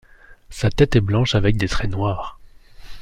Sa tête est blanche avec des traits noirs.